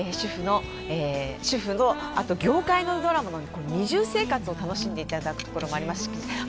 主婦の、あと業界のドラマの二重生活を楽しんでいただくところもありますし